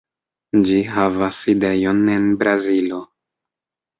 Ĝi havas sidejon en Brazilo.